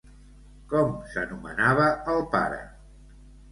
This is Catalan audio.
Com s'anomenava el pare?